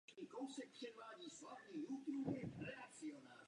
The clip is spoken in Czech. Úspěšnost zásahu byla silně závislá na kontrastu cíle proti okolí.